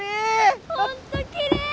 本当きれい！